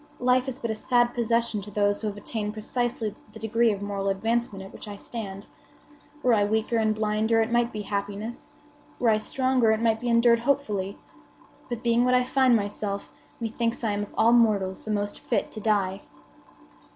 Life is but a sad possession to those who have attained precisely the degree of moral advancement at which I stand. Were I weaker and blinder it might be happiness. Were I stronger, it might be endured hopefully. But, being what I find myself, methinks I am of all mortals the most fit to die."